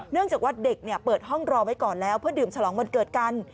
จากว่าเด็กเปิดห้องรอไว้ก่อนแล้วเพื่อดื่มฉลองวันเกิดกัน